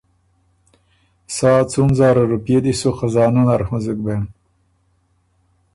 سا څُون زاره روپئے دی سو خزانۀ نر هنزُک بېن،